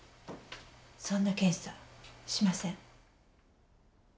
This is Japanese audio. そんな検査しません。